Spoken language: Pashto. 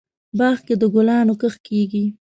باغ کې دګلانو کښت کیږي